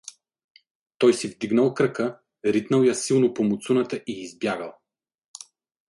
Той си вдигнал крака, ритнал я силно по муцуната и избягал.